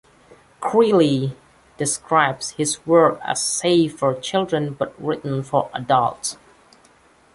Crilley describes his work as safe for children but written for adults.